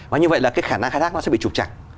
và như vậy là cái khả năng khai thác nó sẽ bị trục chặt